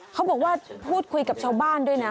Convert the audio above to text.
เขาบอกว่าพูดคุยกับชาวบ้านด้วยนะ